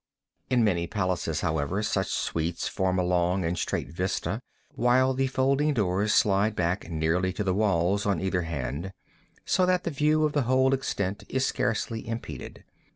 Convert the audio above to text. In many palaces, however, such suites form a long and straight vista, while the folding doors slide back nearly to the walls on either hand, so that the view of the whole extent is scarcely impeded.